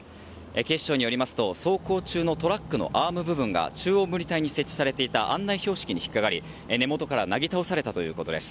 警視庁によりますと走行中のトラックのアーム部分が中央分離帯に設置されていた案内標識に引っ掛かり根元からなぎ倒されたということです。